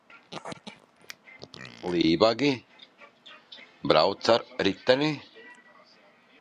Most poles are made from lightweight aluminium, carbon fiber, or composite materials.